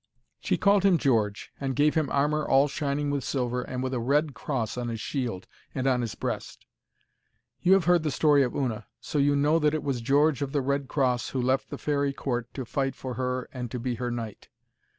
She called him George, and gave him armour all shining with silver and with a red cross on his shield and on his breast. You have heard the story of Una, so you know that it was George of the Red Cross who left the fairy court to fight for her and to be her knight.